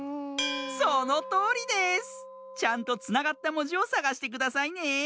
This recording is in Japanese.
そのとおりです！ちゃんとつながったもじをさがしてくださいね。